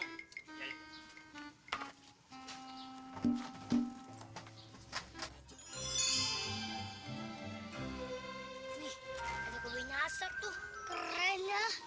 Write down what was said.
wih ada koboi ngasar tuh kerennya